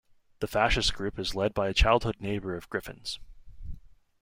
The fascist group is led by a childhood neighbour of Griffin's.